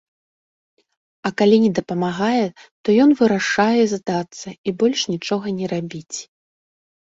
А калі не дапамагае, то ён вырашае здацца і больш нічога не рабіць.